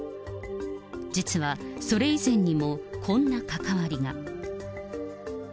実は、それ以前にもこんな関わりが。